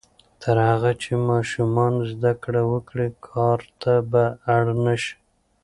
تر هغه چې ماشومان زده کړه وکړي، کار ته به اړ نه شي.